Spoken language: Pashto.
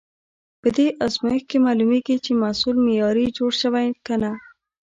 په دې ازمېښت کې معلومېږي، چې محصول معیاري جوړ شوی که نه.